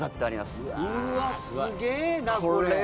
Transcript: うわすげえなこれ。